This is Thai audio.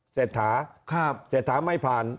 สภาพเศษฐาไม่ผ่าน